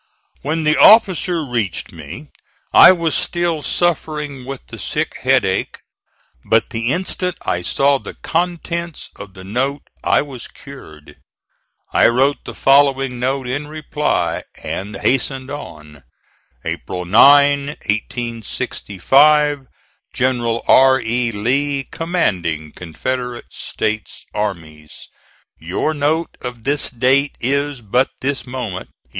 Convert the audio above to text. When the officer reached me I was still suffering with the sick headache, but the instant I saw the contents of the note I was cured. I wrote the following note in reply and hastened on: April 9, 1865. GENERAL R. E. LEE, Commanding C. S. Armies. Your note of this date is but this moment (11.